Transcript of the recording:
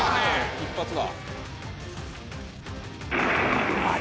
「一発だ」